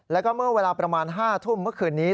แล้วก็เมื่อเวลาประมาณ๕ทุ่มเมื่อคืนนี้